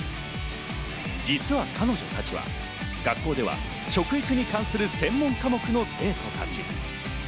実は彼女たちは、学校では食育に関する専門科目の生徒たち。